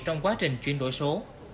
trong quá trình chuyển đổi số